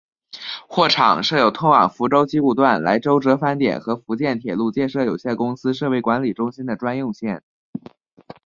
货场设有通往福州机务段来舟折返点和福建铁路建设有限公司设备管理中心的专用线。